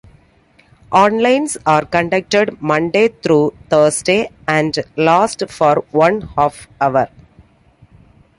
Onlines are conducted Monday through Thursday and last for one-half hour.